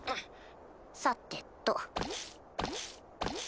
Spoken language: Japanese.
さてと。